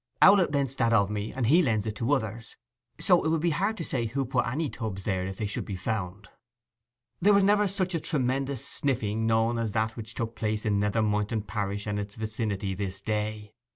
'Owlett rents that of me, and he lends it to others. So it will be hard to say who put any tubs there if they should be found.' There was never such a tremendous sniffing known as that which took place in Nether Moynton parish and its vicinity this day.